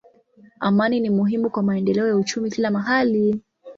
Amani ni muhimu kwa maendeleo ya uchumi kila mahali.